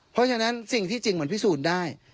เพราะฉะนั้นสิ่งที่จริงมันพิสูจน์ได้